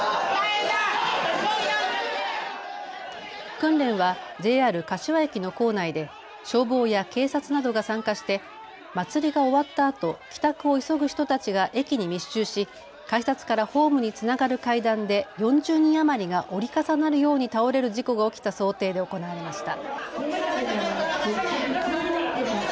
訓練はＪＲ柏駅の構内で消防や警察などが参加して祭りが終わったあと帰宅を急ぐ人たちが駅に密集し改札からホームにつながる階段で４０人余りが折り重なるように倒れる事故が起きた想定で行われました。